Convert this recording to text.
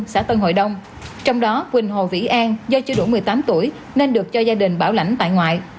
xã tân hội đông trong đó quỳnh hồ vĩ an do chưa đủ một mươi tám tuổi nên được cho gia đình bảo lãnh tại ngoại